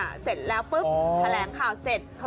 ดูสินะเออเต็มที่พร้อมไอ้ฉันไม่รู้ไม่รู้ไม่รู้